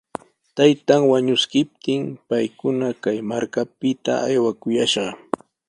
Taytan wañuskiptin paykuna kay markapita aywakuyashqa.